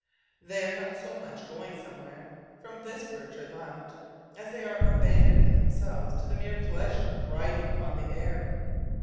They are not so much going somewhere, from this perch to that, as they are abandoning themselves to the mere pleasure of riding upon the air.